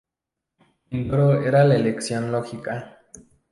Mindoro era la elección lógica.